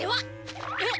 えっ。